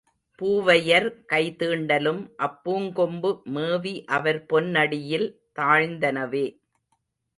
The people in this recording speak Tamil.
பூவையர் கை தீண்டலும் அப்பூங்கொம்பு மேவி அவர் பொன்னடியில் தாழ்ந்தனவே.